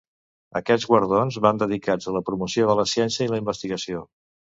Aquests guardons van dedicats a la promoció de la ciència i la investigació.